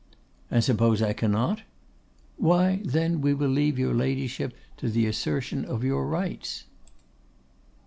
'And suppose I cannot?' 'Why, then, we will leave your Ladyship to the assertion of your rights.